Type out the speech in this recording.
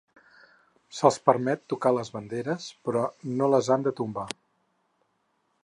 Se'ls permet tocar les banderes, però no les han de tombar.